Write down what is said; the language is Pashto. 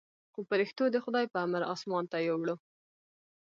خو پرښتو د خداى په امر اسمان ته يووړ.